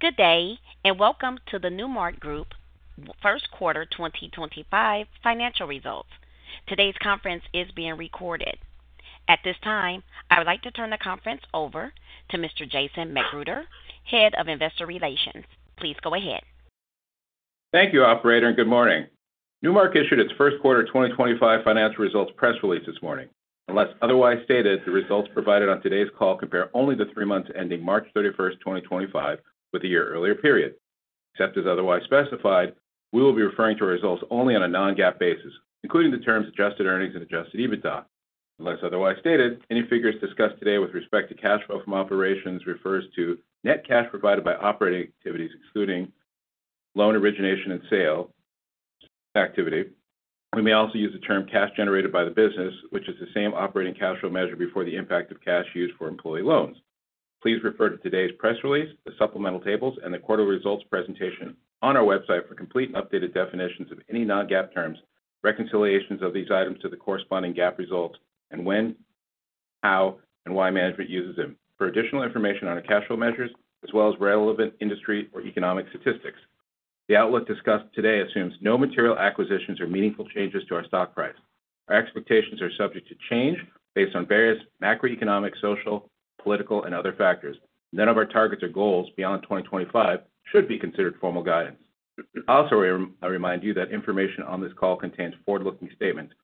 Good day, and welcome to the Newmark Group Q1 2025 Financial results. Today's conference is being recorded. At this time, I would like to turn the conference over to Mr. Jason McGruder, Head of Investor Relations. Please go ahead. Thank you, Operator, and good morning. Newmark issued its Q1 2025 financial results press release this morning. Unless otherwise stated, the results provided on today's call compare only the three months ending March 31, 2025, with the year earlier period. Except as otherwise specified, we will be referring to our results only on a non-GAAP basis, including the terms adjusted earnings and adjusted EBITDA. Unless otherwise stated, any figures discussed today with respect to cash flow from operations refers to net cash provided by operating activities, excluding loan origination and sale activity. We may also use the term cash generated by the business, which is the same operating cash flow measured before the impact of cash used for employee loans. Please refer to today's press release, the supplemental tables, and the quarterly results presentation on our website for complete and updated definitions of any non-GAAP terms, reconciliations of these items to the corresponding GAAP results, and when, how, and why management uses them, for additional information on our cash flow measures, as well as relevant industry or economic statistics. The outlook discussed today assumes no material acquisitions or meaningful changes to our stock price. Our expectations are subject to change based on various macroeconomic, social, political, and other factors, and none of our targets or goals beyond 2025 should be considered formal guidance. Also, I remind you that information on this call contains forward-looking statements,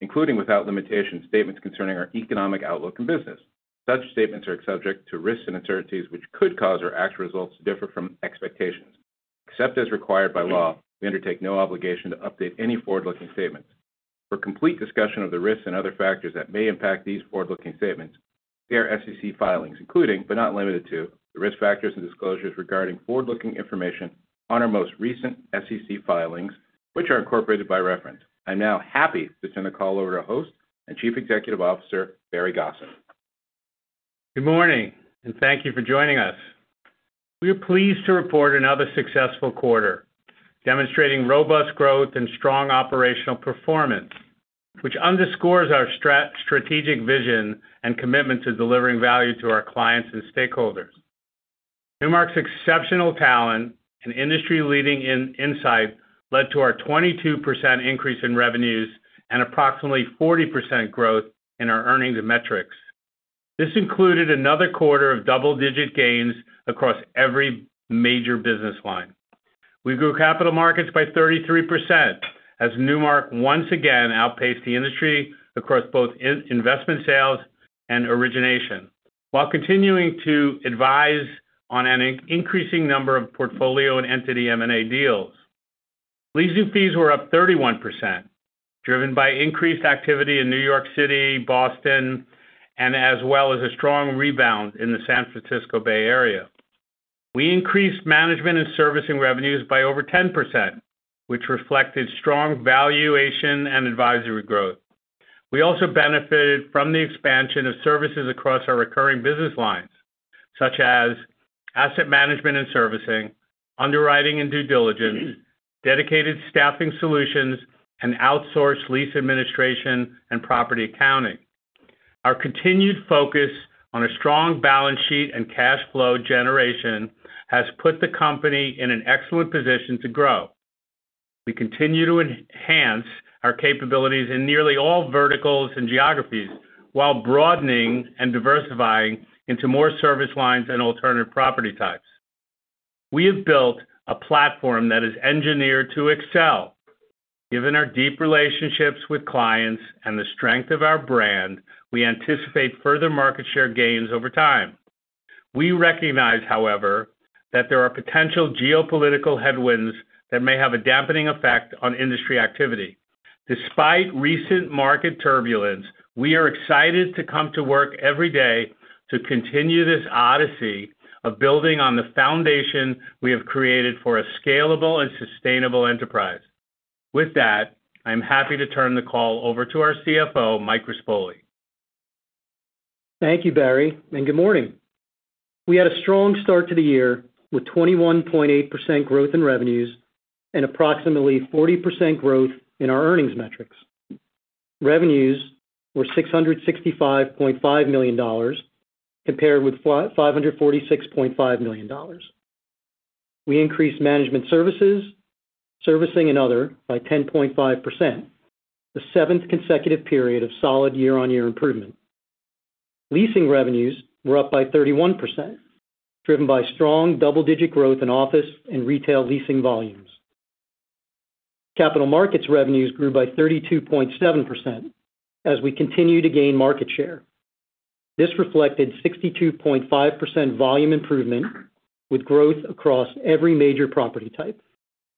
including without limitations, statements concerning our economic outlook and business. Such statements are subject to risks and uncertainties which could cause our actual results to differ from expectations. Except as required by law, we undertake no obligation to update any forward-looking statements. For complete discussion of the risks and other factors that may impact these forward-looking statements, we have SEC filings, including, but not limited to, the risk factors and disclosures regarding forward-looking information on our most recent SEC filings, which are incorporated by reference. I'm now happy to turn the call over to host and Chief Executive Officer, Barry Gosin. Good morning, and thank you for joining us. We are pleased to report another successful quarter, demonstrating robust growth and strong operational performance, which underscores our strategic vision and commitment to delivering value to our clients and stakeholders. Newmark's exceptional talent and industry-leading insight led to our 22% increase in revenues and approximately 40% growth in our earnings metrics. This included another quarter of double-digit gains across every major business line. We grew capital markets by 33%, as Newmark once again outpaced the industry across both investment sales and origination, while continuing to advise on an increasing number of portfolio and entity M&A deals. Leasing fees were up 31%, driven by increased activity in New York City, Boston, as well as a strong rebound in the San Francisco Bay Area. We increased management and servicing revenues by over 10%, which reflected strong valuation and advisory growth. We also benefited from the expansion of services across our recurring business lines, such as asset management and servicing, underwriting and due diligence, dedicated staffing solutions, and outsourced lease administration and property accounting. Our continued focus on a strong balance sheet and cash flow generation has put the company in an excellent position to grow. We continue to enhance our capabilities in nearly all verticals and geographies while broadening and diversifying into more service lines and alternative property types. We have built a platform that is engineered to excel. Given our deep relationships with clients and the strength of our brand, we anticipate further market share gains over time. We recognize, however, that there are potential geopolitical headwinds that may have a dampening effect on industry activity. Despite recent market turbulence, we are excited to come to work every day to continue this odyssey of building on the foundation we have created for a scalable and sustainable enterprise. With that, I'm happy to turn the call over to our CFO, Mike Rispoli. Thank you, Barry, and good morning. We had a strong start to the year with 21.8% growth in revenues and approximately 40% growth in our earnings metrics. Revenues were $665.5 million compared with $546.5 million. We increased management services, servicing, and other by 10.5%, the seventh consecutive period of solid year-on-year improvement. Leasing revenues were up by 31%, driven by strong double-digit growth in office and retail leasing volumes. Capital markets revenues grew by 32.7% as we continued to gain market share. This reflected 62.5% volume improvement with growth across every major property type,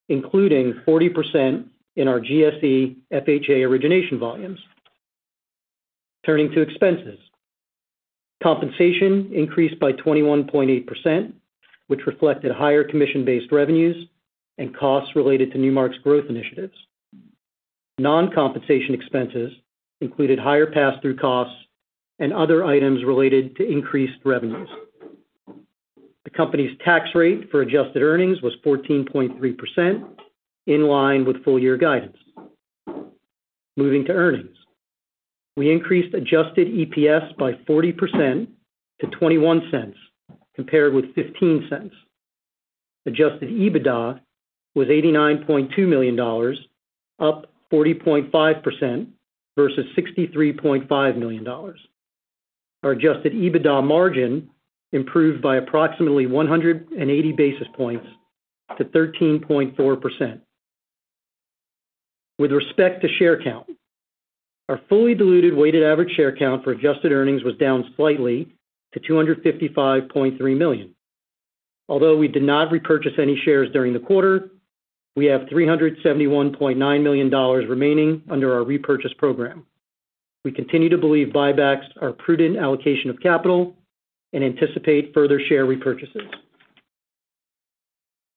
including 40% in our GSE FHA origination volumes. Turning to expenses, compensation increased by 21.8%, which reflected higher commission-based revenues and costs related to Newmark's growth initiatives. Non-compensation expenses included higher pass-through costs and other items related to increased revenues. The company's tax rate for adjusted earnings was 14.3%, in line with full-year guidance. Moving to earnings, we increased adjusted EPS by 40% to $0.21 compared with $0.15. Adjusted EBITDA was $89.2 million, up 40.5% versus $63.5 million. Our adjusted EBITDA margin improved by approximately 180 basis points to 13.4%. With respect to share count, our fully diluted weighted average share count for adjusted earnings was down slightly to 255.3 million. Although we did not repurchase any shares during the quarter, we have $371.9 million remaining under our repurchase program. We continue to believe buybacks are a prudent allocation of capital and anticipate further share repurchases.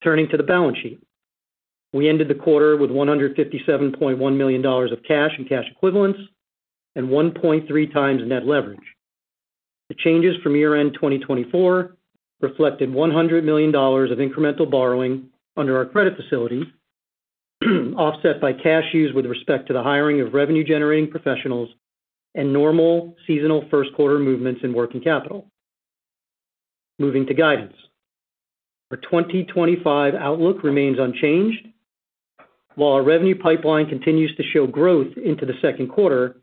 Turning to the balance sheet, we ended the quarter with $157.1 million of cash and cash equivalents and 1.3 times net leverage. The changes from year-end 2024 reflected $100 million of incremental borrowing under our credit facilities, offset by cash use with respect to the hiring of revenue-generating professionals and normal seasonal Q1 movements in working capital. Moving to guidance, our 2025 outlook remains unchanged. While our revenue pipeline continues to show growth into the Q2,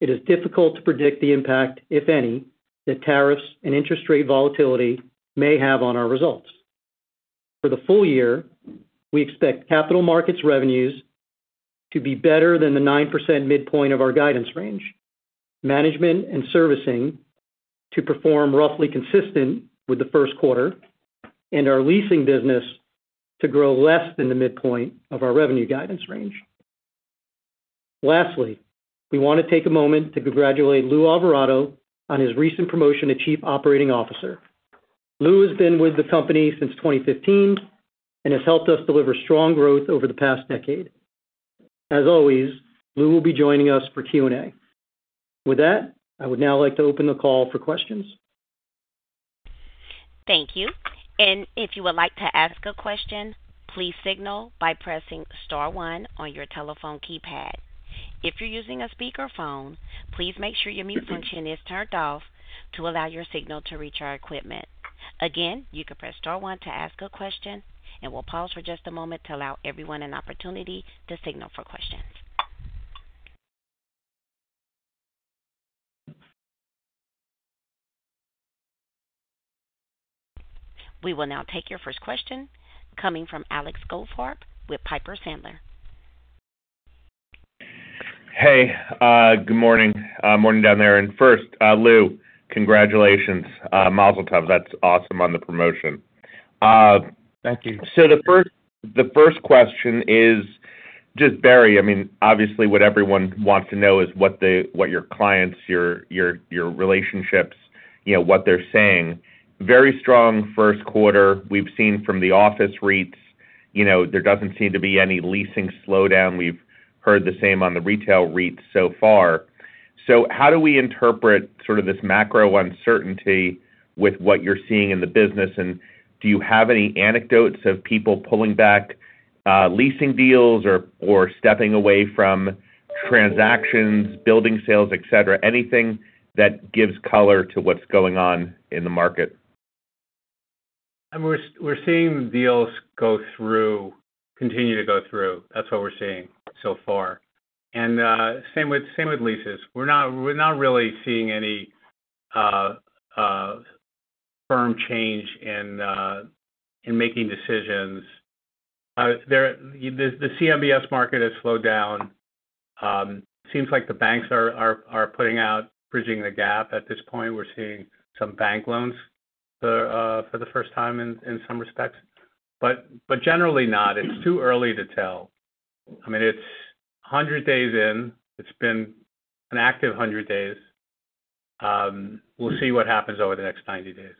it is difficult to predict the impact, if any, that tariffs and interest rate volatility may have on our results. For the full year, we expect capital markets revenues to be better than the 9% midpoint of our guidance range, management and servicing to perform roughly consistent with the Q1, and our leasing business to grow less than the midpoint of our revenue guidance range. Lastly, we want to take a moment to congratulate Lou Alvarado on his recent promotion to Chief Operating Officer. Lou has been with the company since 2015 and has helped us deliver strong growth over the past decade. As always, Lou will be joining us for Q&A. With that, I would now like to open the call for questions. Thank you. And if you would like to ask a question, please signal by pressing star one on your telephone keypad. If you are using a speakerphone, please make sure your mute function is turned off to allow your signal to reach our equipment. Again, you can press star one to ask a question. We will pause for just a moment to allow everyone an opportunity to signal for questions. We will now take your first question coming from Alex Goldfarb with Piper Sandler. Hey, good morning. Morning down there. First, Lou, congratulations. Mazel tov. That's awesome on the promotion. Thank you. The first question is just Barry. I mean, obviously, what everyone wants to know is what your clients, your relationships, what they're saying. Very strong Q1. We've seen from the office REITs, there doesn't seem to be any leasing slowdown. We've heard the same on the retail REITs so far. So how do we interpret sort of this macro uncertainty with what you're seeing in the business? And do you have any anecdotes of people pulling back leasing deals or stepping away from transactions, building sales, et cetera? Anything that gives color to what's going on in the market? We're seeing deals go through, continue to go through. That's what we're seeing so far. And same with leases. We're not really seeing any firm change in making decisions. The CMBS market has slowed down. It seems like the banks are putting out, bridging the gap at this point. We're seeing some bank loans for the first time in some respects, but generally not. It's too early to tell. I mean, it's 100 days in. It's been an active 100 days. We'll see what happens over the next 90 days.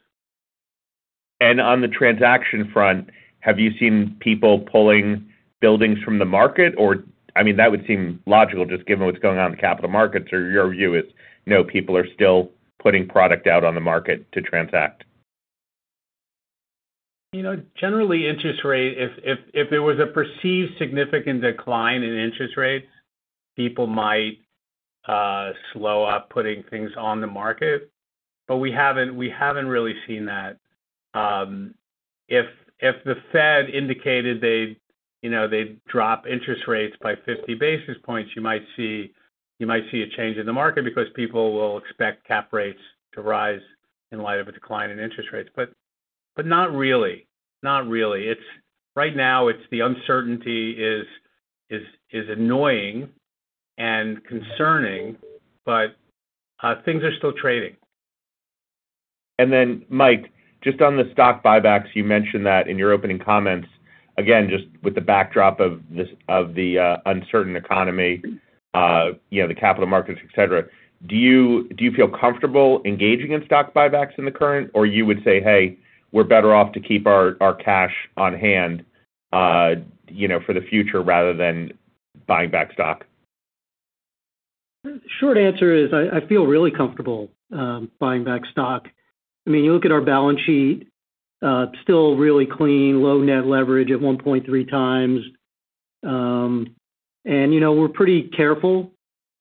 And on the transaction front, have you seen people pulling buildings from the market? I mean, that would seem logical just given what's going on in the capital markets. Your view is, no, people are still putting product out on the market to transact? Generally, interest rate, if there was a perceived significant decline in interest rates, people might slow up putting things on the market. But we haven't, we haven't really seen that. If the Fed indicated they'd you know they'd drop interest rates by 50 basis points, you might see you might see a change in the market because people will expect cap rates to rise in light of a decline in interest rates. But not really. Not really. Right now, it's the uncertainty is annoying and concerning, but things are still trading. And then Mike, just on the stock buybacks, you mentioned that in your opening comments. Again, just with the backdrop of the uncertain economy, the capital markets, et cetera, do you feel comfortable engaging in stock buybacks in the current? Or you would say, "Hey, we're better off to keep our cash on hand you know for the future rather than buying back stock"? Short answer is I feel really comfortable buying back stock. I mean, you look at our balance sheet, still really clean, low net leverage at 1.3 times. And you know we are pretty careful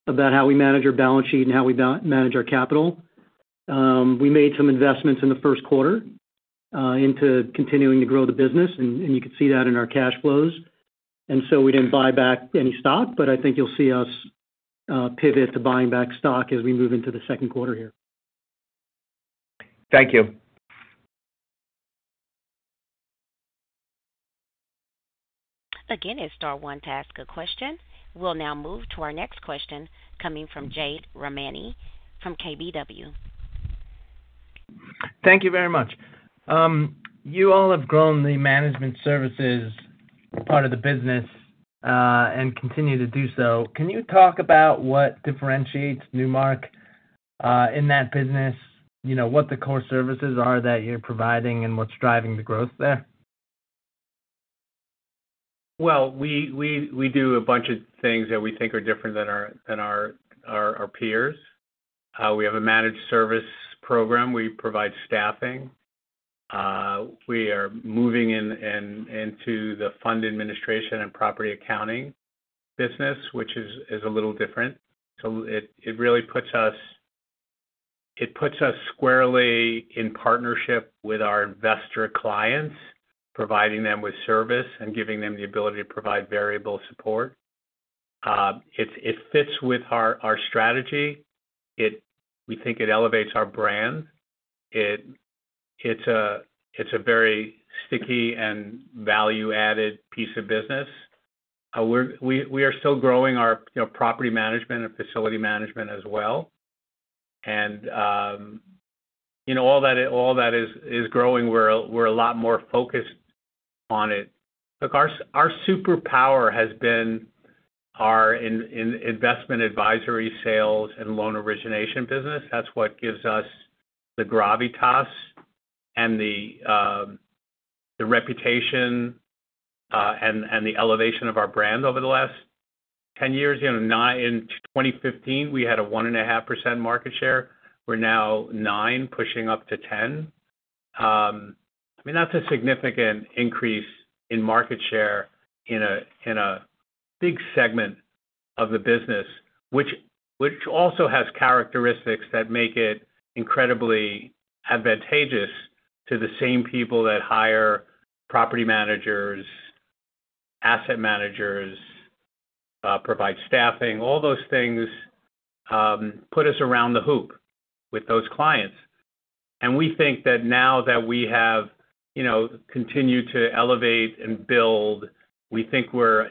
about how we manage our balance sheet and how we manage our capital. We made some investments in the Q1 into continuing to grow the business, and you could see that in our cash flows. And so we did not buy back any stock, but I think you will see us pivot to buying back stock as we move into the Q2 here. Thank you. Again, a star one to ask a question. We'll now move to our next question coming from Jade Rahmani from KBW. Thank you very much. You all have grown the management services part of the business and continue to do so. Can you talk about what differentiates Newmark in that business, what the core services are that you're providing, and what's driving the growth there? Well, we do a bunch of things that we think are different than our peers. We have a managed service program. We provide staffing. We are moving into the fund administration and property accounting business, which is a little different. So it really puts us it puts up squarely in partnership with our investor clients, providing them with service and giving them the ability to provide variable support. It fits with our strategy. We think it elevates our brand. It's a very sticky and value-added piece of business. We are still growing our property management and facility management as well. And you know all that is all that is growing, we're a lot more focused on it. Look, our superpower has been our investment advisory sales and loan origination business. That's what gives us the gravitas and the reputation and the elevation of our brand over the last 10 years. In 2015, we had a 1.5% market share. We're now nine, pushing up to 10. I mean, that's a significant increase in market share in a big segment of the business, which also has characteristics that make it incredibly advantageous to the same people that hire property managers, asset managers, provide staffing. All those things put us around the hoop with those clients. We think that now that we have continued to elevate and build, we think we're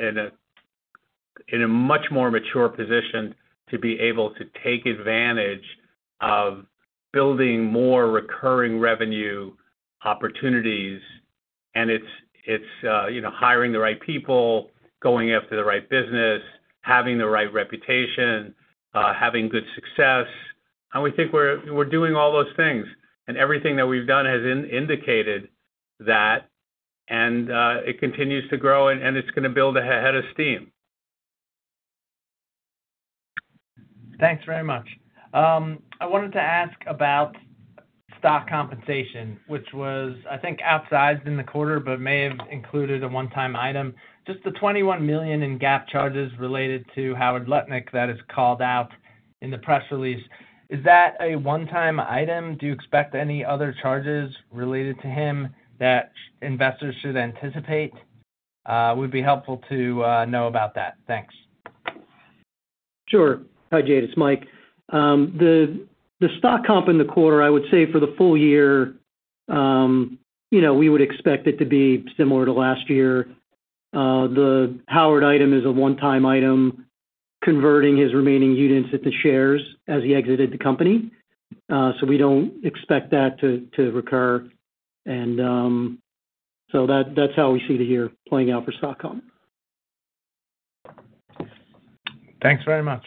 in a much more mature position to be able to take advantage of building more recurring revenue opportunities. And it's it's you know hiring the right people, going after the right business, having the right reputation, having good success. And we think we're doing all those things. And everything that we've done has indicated that, and it continues to grow, and it's going to build ahead of steam. Thanks very much. I wanted to ask about stock compensation, which was, I think, outsized in the quarter but may have included a one-time item. Just the $21 million in GAAP charges related to Howard Lutnick that is called out in the press release. Is that a one-time item? Do you expect any other charges related to him that investors should anticipate? It would be helpful to know about that. Thanks. Sure. Hi, Jade. It's Mike. The stock comp in the quarter, I would say for the full year, you know we would expect it to be similar to last year. The Howard item is a one-time item, converting his remaining units into shares as he exited the company. So we do not expect that to recur. That is how we see the year playing out for stock comp. Thanks very much.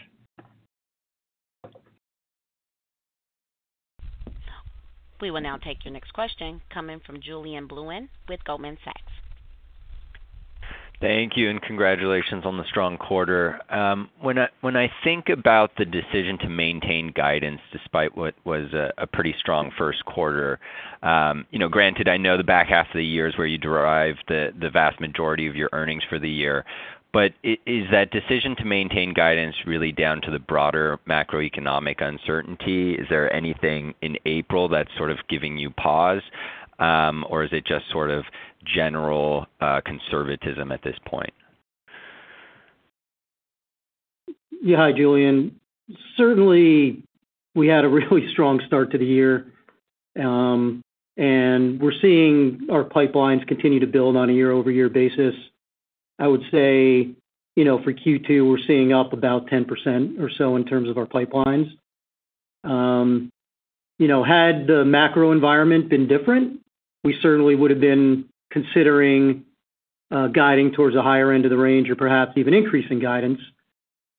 We will now take your next question coming from Julien Blouin with Goldman Sachs. Thank you and congratulations on the strong quarter. When I think about the decision to maintain guidance despite what was a pretty strong Q1, you know granted, I know the back half of the year is where you derived the vast majority of your earnings for the year. But is that decision to maintain guidance really down to the broader macroeconomic uncertainty? Is there anything in April that's sort of giving you pause? Or is it just sort of general conservatism at this point? Yeah, Julien. Certainly, we had a really strong start to the year. And we're seeing our pipelines continue to build on a year-over-year basis. I would say you know for Q2, we're seeing up about 10% or so in terms of our pipelines. You know had the macro environment been different, we certainly would have been considering guiding towards a higher end of the range or perhaps even increasing guidance.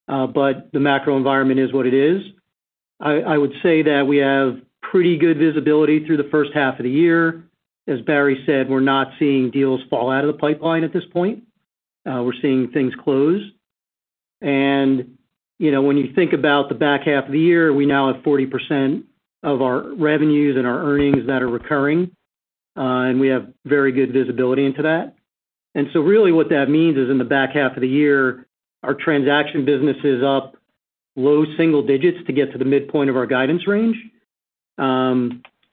But the macro environment is what it is. I would say that we have pretty good visibility through the first half of the year. As Barry said, we're not seeing deals fall out of the pipeline at this point. We're seeing things close. and you know when you think about the back half of the year, we now have 40% of our revenues and our earnings that are recurring. And we have very good visibility into that. And so really what that means is in the back half of the year, our transaction business is up low single digits to get to the midpoint of our guidance range,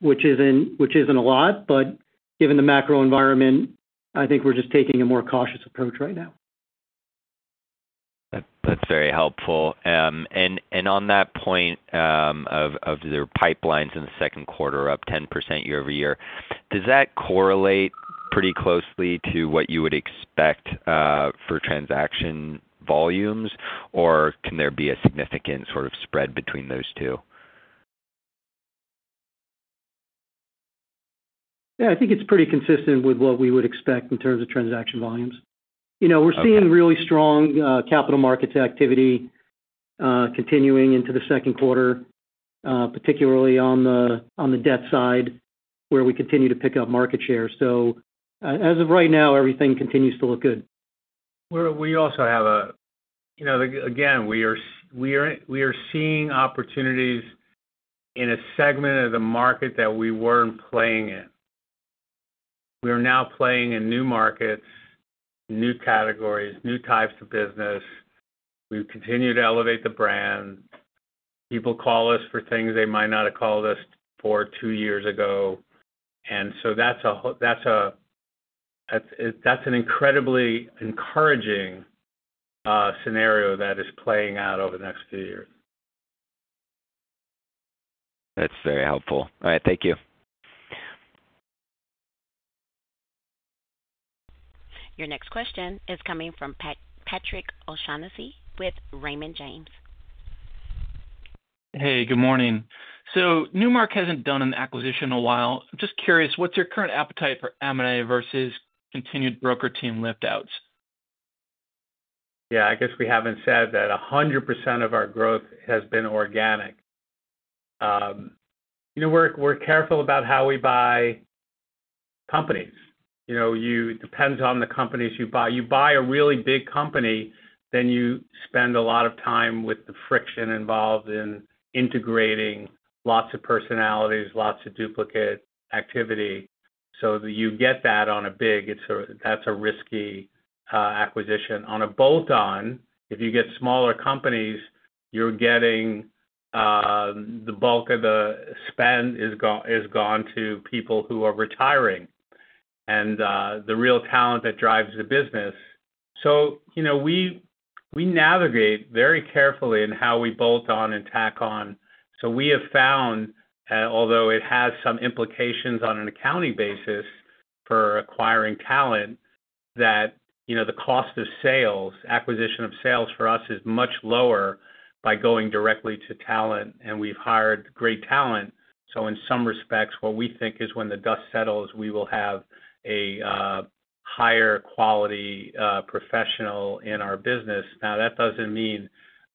which isn't a lot. But given the macro environment, I think we're just taking a more cautious approach right now. That's very helpful. And on that point of your pipelines in the Q2, up 10% year-over-year, does that correlate pretty closely to what you would expect for transaction volumes? Or can there be a significant sort of spread between those two? Yeah, I think it's pretty consistent with what we would expect in terms of transaction volumes. You know we're seeing really strong Capital Markets activity continuing into the Q2, particularly on the debt side, where we continue to pick up market share. So as of right now, everything continues to look good. Well, we also have, again, we are seeing opportunities in a segment of the market that we weren't playing in. We are now playing in new markets, new categories, new types of business. We have continued to elevate the brand. People call us for things they might not have called us for two years ago. And so that's a that's a that is an incredibly encouraging scenario that is playing out over the next few years. That's very helpful. All right. Thank you. Your next question is coming from Patrick O'Shaughnessy with Raymond James. Hey, good morning. So Newmark hasn't done an acquisition in a while. Just curious, what's your current appetite for M&A versus continued broker team liftouts? Yeah, I guess we haven't said that 100% of our growth has been organic. We're careful about how we buy companies. You know it depends on the companies you buy. You buy a really big company, then you spend a lot of time with the friction involved in integrating lots of personalities, lots of duplicate activity. So you get that on a big—that's a risky acquisition. On a bolt-on, if you get smaller companies, you're getting the bulk of the spend is gone to people who are retiring and the real talent that drives the business. So you know we, we navigate very carefully in how we bolt on and tack on. So we have found, although it has some implications on an accounting basis for acquiring talent, that you know the cost of sales, acquisition of sales for us, is much lower by going directly to talent. And we've hired great talent. So in some respects, what we think is when the dust settles, we will have a higher quality professional in our business. Now, that doesn't mean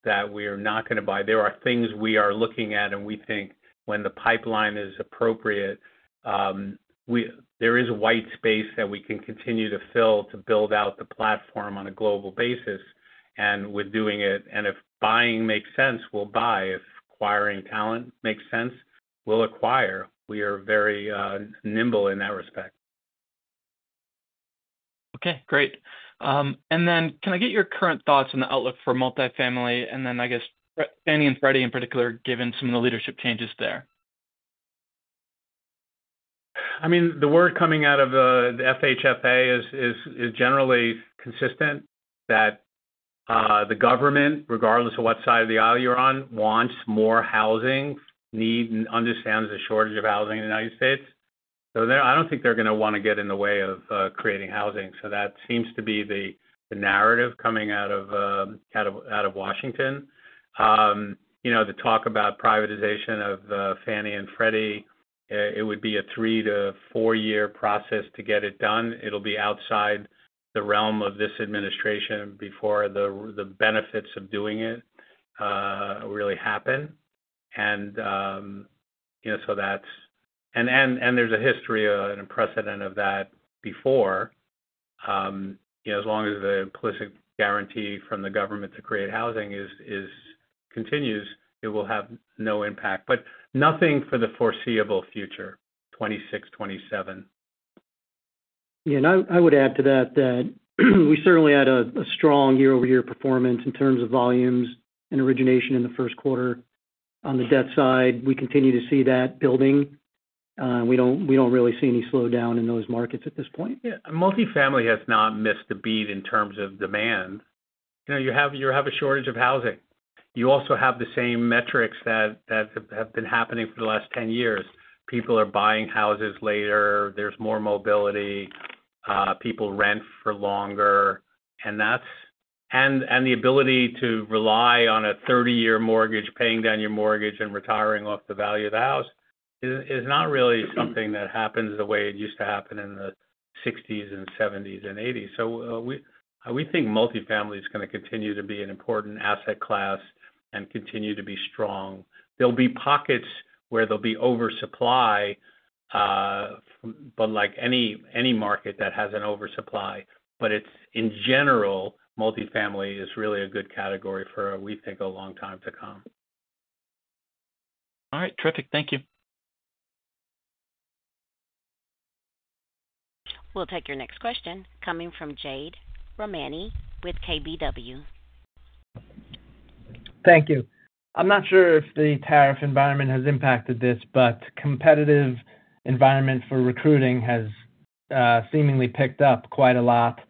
that we are not going to buy. There are things we are looking at, and we think when the pipeline is appropriate, there is a white space that we can continue to fill to build out the platform on a global basis. And we're doing it. And if buying makes sense, we'll buy. If acquiring talent makes sense, we'll acquire. We are very nimble in that respect. Okay. Great. And then can I get your current thoughts on the outlook for multifamily? I guess, Fannie and Freddie, in particular, given some of the leadership changes there. I mean, the word coming out of the FHFA is generally consistent that the government, regardless of what side of the aisle you're on, wants more housing, understands the shortage of housing in the United States. I don't think they're going to want to get in the way of creating housing. So that seems to be the narrative coming out of Washington. You know the talk about privatization of Fannie and Freddie, it would be a three to four-year process to get it done. It'll be outside the realm of this administration before the benefits of doing it really happen. And you know so that's—and there's a history and a precedent of that before. You know as long as the implicit guarantee from the government to create housing continues, it will have no impact. But nothing for the foreseeable future, 2026, 2027. Yeah. I would add to that that we certainly had a strong year-over-year performance in terms of volumes and origination in the Q1. On the debt side, we continue to see that building. We do not really see any slowdown in those markets at this point. Yeah. Multifamily has not missed the beat in terms of demand. You have a shortage of housing. You also have the same metrics that have been happening for the last 10 years. People are buying houses later. There's more mobility. People rent for longer. The ability to rely on a 30-year mortgage, paying down your mortgage and retiring off the value of the house is not really something that happens the way it used to happen in the 1960s and 1970s and 1980s. We think multifamily is going to continue to be an important asset class and continue to be strong. There'll be pockets where there'll be oversupply, like any market that has an oversupply. But it's in general, multifamily is really a good category for, we think, a long time to come. All right. Terrific. Thank you. We'll take your next question coming from Jade Rahmani with KBW. Thank you. I'm not sure if the tariff environment has impacted this, but the competitive environment for recruiting has seemingly picked up quite a lot.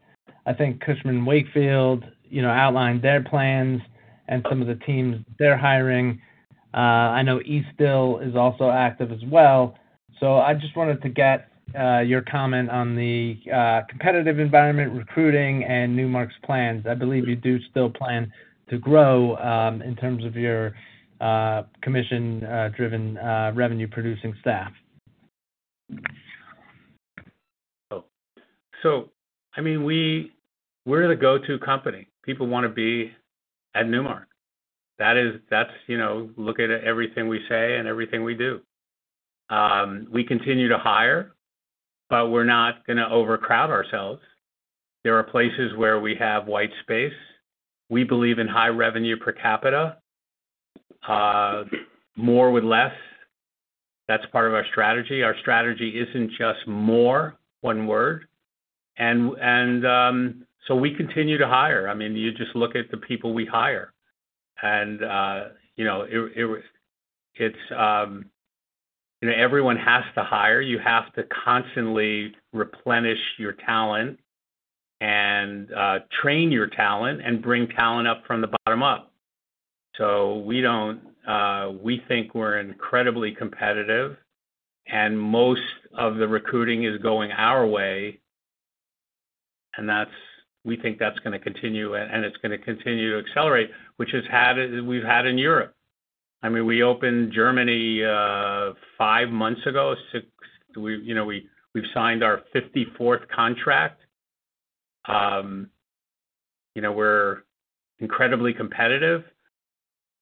I think Cushman & Wakefield you know outlined their plans and some of the teams they're hiring. I know Eastdil is also active as well. So I just wanted to get your comment on the competitive environment, recruiting, and Newmark's plans. I believe you do still plan to grow in terms of your commission-driven, revenue-producing staff. So I mean, we're the go-to company. People want to be at Newmark. That's looking at everything we say and everything we do. We continue to hire, but we're not going to overcrowd ourselves. There are places where we have white space. We believe in high revenue per capita. More with less, that's part of our strategy. Our strategy isn't just more, one word. And so we continue to hire. I mean, you just look at the people we hire. And you know everyone has to hire. You have to constantly replenish your talent and train your talent and bring talent up from the bottom up. So we think we're incredibly competitive. And most of the recruiting is going our way. And that's we think that's going to continue, and it's going to continue to accelerate, which we've had in Europe. I mean, we opened Germany five months ago. We've signed our 54th contract. We're incredibly competitive.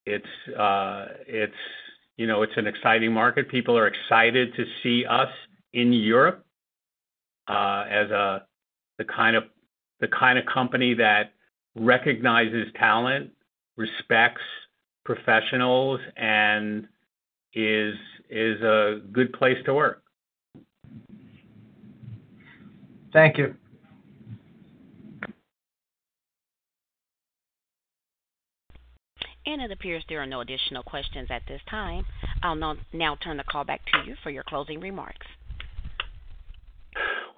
It's you know it's an exciting market. People are excited to see us in Europe as the kind of company that recognizes talent, respects professionals, and is a good place to work. Thank you. It appears there are no additional questions at this time. I'll now turn the call back to you for your closing remarks.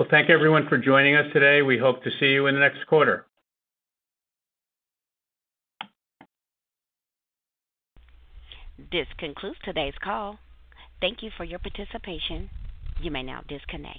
Oh thank everyone for joining us today. We hope to see you in the next quarter. This concludes today's call. Thank you for your participation. You may now disconnect.